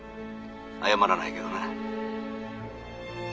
謝らないけどね。